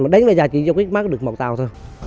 mà đến giờ chỉ dùng cái mắt được một tàu thôi